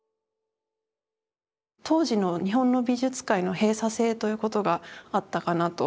当時の日本の美術界の閉鎖性ということがあったかなと。